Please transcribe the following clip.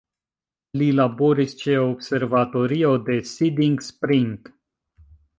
Li laboris ĉe la Observatorio de Siding Spring.